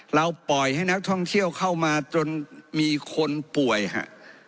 เราปล่อยให้นักท่องเที่ยวเข้ามาจนมีคนป่วยฮะ